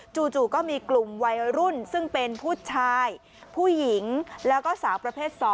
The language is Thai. จู่ก็มีกลุ่มวัยรุ่นซึ่งเป็นผู้ชายผู้หญิงแล้วก็สาวประเภท๒